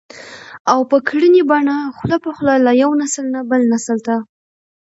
او په ګړنۍ بڼه خوله په خوله له يوه نسل نه بل نسل ته